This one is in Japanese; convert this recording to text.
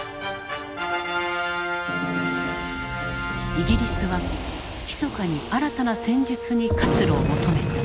イギリスはひそかに新たな戦術に活路を求めた。